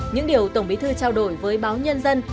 những điều tổng bí thư trao đổi với báo nhân dân